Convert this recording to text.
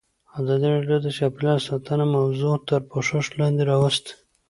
ازادي راډیو د چاپیریال ساتنه موضوع تر پوښښ لاندې راوستې.